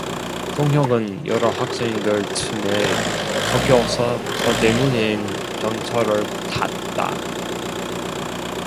동혁은 여러 학생들 틈에 섞여서 서대문행 전차를 탔다.